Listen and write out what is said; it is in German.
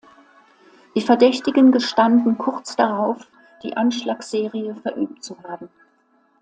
Die Verdächtigen gestanden kurz darauf, die Anschlagsserie verübt zu haben.